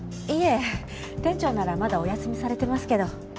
いえ店長ならまだお休みされてますけど。